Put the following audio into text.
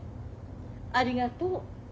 ありがとう。